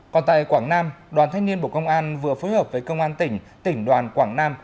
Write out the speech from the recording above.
còn tại quảng nam đoàn thanh niên bộ công an vừa phối hợp với công an tỉnh tỉnh đoàn quảng nam